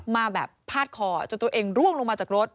มาแบบพาดคอจนตัวเองร่วงลงมาจากรถ